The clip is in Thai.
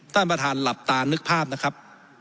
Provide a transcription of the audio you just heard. ท่านประธานหลับตานึกภาพนะครับ